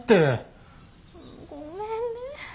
ごめんね。